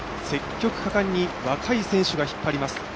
積極果敢に若い選手が引っ張ります。